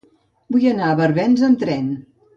Vull anar a Barbens amb tren.